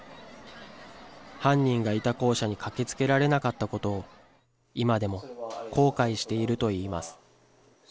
犯人がいた校舎に駆けつけられなかったことを、今でも後悔しているといいます。